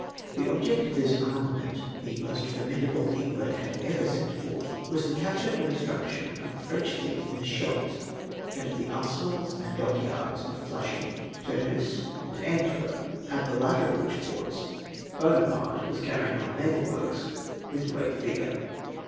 The object of this armament, the most formidable England had ever sent forth, was the captm e or de struction of the French fleet in the Scheldt, and of the arsenals and dockyards of Flusliing, Terneuse, and Antwerp, at the latter of which ports Buonaparte was carrying on naval works witli great vigour.